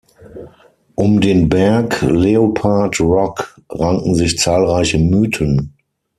Um den Berg "Leopard Rock" ranken sich zahlreiche Mythen.